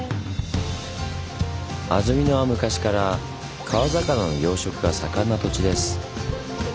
安曇野は昔から川魚の養殖が盛んな土地です。